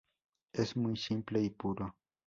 Es muy simple y puro".